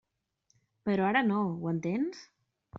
Però ara no, ho entens?